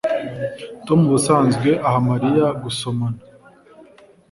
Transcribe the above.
Tom ubusanzwe aha Mariya gusomana